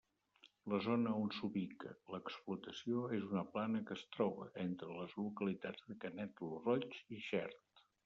La zona on s'ubica l'explotació és una plana que es troba entre les localitats de Canet lo Roig i Xert.